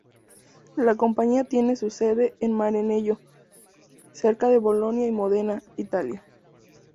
La compañía tiene su sede en Maranello, cerca de Bolonia y Módena, Italia.